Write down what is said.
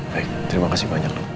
baik terima kasih banyak